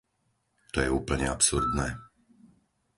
To je úplne absurdné.